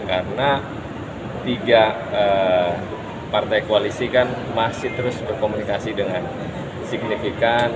karena tiga partai koalisi kan masih terus berkomunikasi dengan signifikan